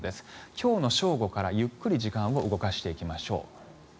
今日の正午からゆっくり時間を動かしていきましょう。